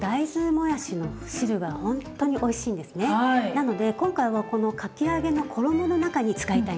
なので今回はこのかき揚げの衣の中に使いたいんです。